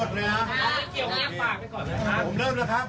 ผมเริ่มนะครับผมเริ่มนะครับ